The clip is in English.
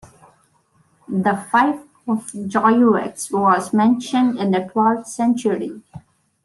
The fief of Joyeux was mentioned in the twelfth century.